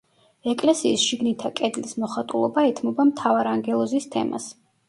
ეკლესიის შიგნითა კედლის მოხატულობა ეთმობა მთავარანგელოზის თემას.